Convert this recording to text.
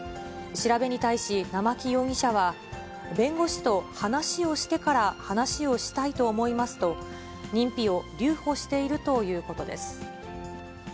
調べに対し、生木容疑者は、弁護士と話をしてから話をしたいと思いますと、認否を留保しているということです。